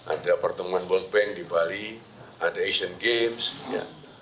ada pertemuan world bank di bali ada asian games ya